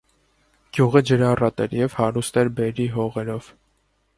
Գյուղը ջրառատ էր և հարուստ էր բերրի հողերով։